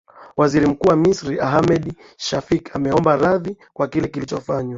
waziri mkuu wa misri ahmed shafik ameomba radhi kwa kile kilichofanywa